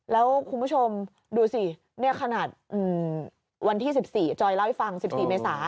แล้วคุณผู้ชมดูสิเนี่ยขนาดวันที่๑๔จอยเล่าให้ฟัง๑๔เมษา